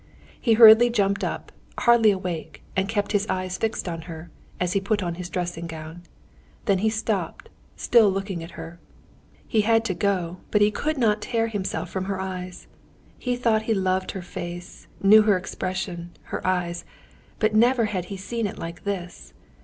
He hurriedly jumped up, hardly awake, and kept his eyes fixed on her, as he put on his dressing gown; then he stopped, still looking at her. He had to go, but he could not tear himself from her eyes. He thought he loved her face, knew her expression, her eyes, but never had he seen it like this.